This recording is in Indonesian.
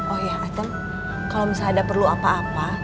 oh iya atem kalau misalnya ada perlu apa apa